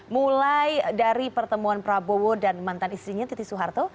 mulai dari pertemuan prabowo dan mantan istrinya titi soeharto